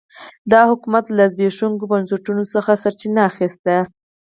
دا حکومت له زبېښونکو بنسټونو څخه سرچینه اخیسته.